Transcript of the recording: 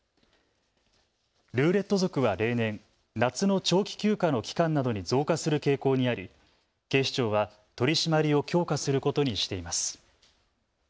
ルーレット族は例年、夏の長期休暇の期間などに増加する傾向にあり警視庁は取締りを強化することにしています。